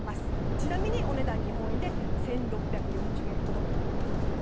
ちなみにお値段は日本円で１６４０円ほどということです。